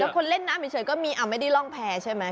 คนเล่นน้ำเฉยก็มีไม่ได้ร่องแพร่ใช่ไหม